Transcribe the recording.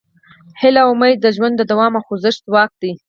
هیله او امید د ژوند د دوام او خوځښت ځواک دی.